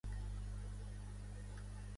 El meu nom és Ramona: erra, a, ema, o, ena, a.